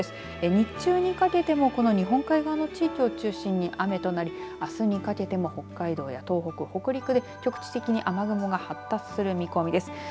日中にかけてもこの日本海側の地域を中心に雨となり、あすにかけても北海道や東北、北陸で局地的に雨雲が発達する見込みです。